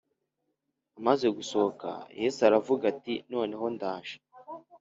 Amaze gusohoka Yesu aravuga ati Noneho ndaje